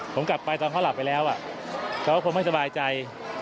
ผมกลับไปตอนเขาหลับไปแล้วเขาก็คงไม่สบายใจ